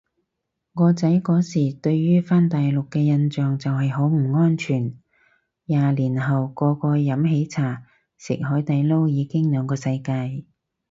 我仔嗰時對於返大陸嘅印象就係好唔安全，廿年後個個飲喜茶食海底撈已經兩個世界